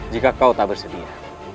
jika kau tak bersedia